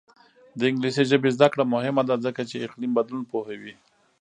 د انګلیسي ژبې زده کړه مهمه ده ځکه چې اقلیم بدلون پوهوي.